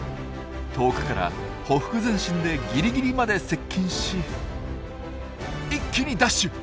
遠くからほふく前進でギリギリまで接近し一気にダッシュ！